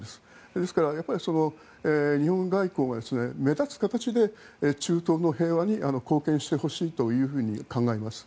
ですから、日本外交が目立つ形で中東の平和に貢献してほしいと考えます。